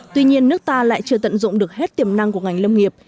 tuy nhiên nước ta lại chưa tận dụng được hết tiềm năng của ngành lâm nghiệp